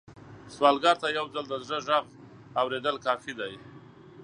سوالګر ته یو ځل د زړه غږ اورېدل کافي دي